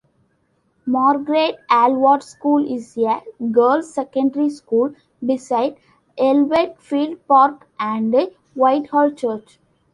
Margret Aylward School is a girls secondary school beside ellenfield park and Whitehall church.